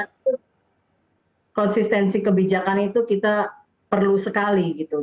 ya tentu konsistensi kebijakan itu kita perlu sekali gitu